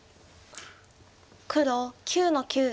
黒９の九。